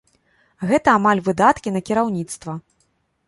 Гэта амаль выдаткі на кіраўніцтва!